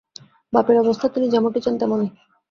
বাপের অবস্থা তিনি যেমনটি চান তেমনি।